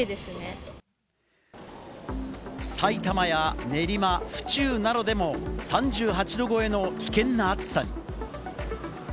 埼玉や練馬、府中などでも３８度超えの危険な暑さに。